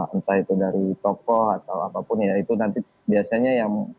entah itu dari tokoh atau apapun ya itu nanti biasanya yang